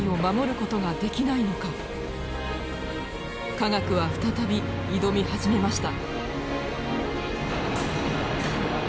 科学は再び挑み始めました。